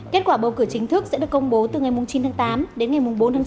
kết quả bầu cử chính thức sẽ được công bố từ ngày chín tháng tám đến ngày bốn tháng chín